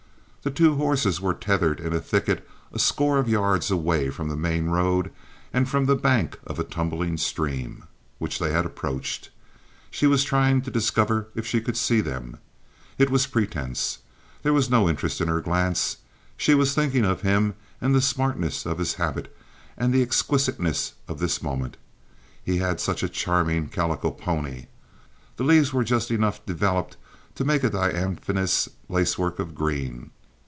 The two horses were tethered in a thicket a score of yards away from the main road and from the bank of a tumbling stream, which they had approached. She was trying to discover if she could see them. It was pretense. There was no interest in her glance. She was thinking of him and the smartness of his habit, and the exquisiteness of this moment. He had such a charming calico pony. The leaves were just enough developed to make a diaphanous lacework of green.